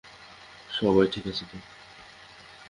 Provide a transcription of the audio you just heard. সবাই ঠিক আছে তো?